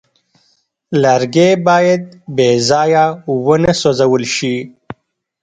لرګی باید بېځایه ونه سوځول شي.